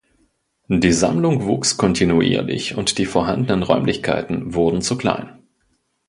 Die Sammlung wuchs kontinuierlich und die vorhandenen Räumlichkeiten wurden zu klein.